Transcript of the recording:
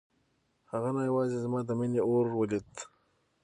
هغه نه یوازې زما د مينې اور ولید.